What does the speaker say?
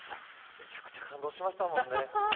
めちゃくちゃ感動しましたもんね。